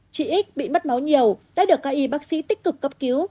chị x bị mất máu nhiều đã được cãi y bác sĩ tích cục cấp cứu